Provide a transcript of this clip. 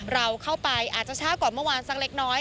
เราเข้าไปอาจจะช้ากว่าเมื่อวานสักเล็กน้อย